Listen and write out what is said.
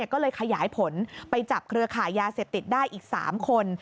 ก็เลยขยายผลไปจับเครือขายยาเสพติดได้อีก๓คน